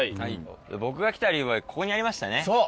僕が来た理由はここにありまそう。